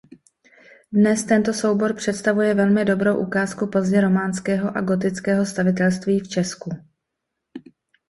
Dnes tento soubor představuje velmi dobrou ukázku pozdně románského a gotického stavitelství v Česku.